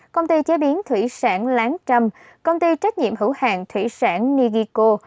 công ty chế biến thủy sản lán trâm công ty trách nhiệm hữu hàng thủy sản nigiko